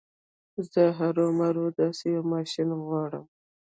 زه هرو مرو داسې يو ماشين غواړم.